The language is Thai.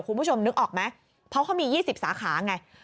คุณผู้ชมนึกออกไหมเพราะเขามี๒๐สาขาไง